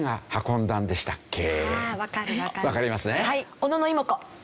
小野妹子。